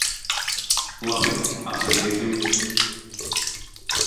Labi. Atradīsim.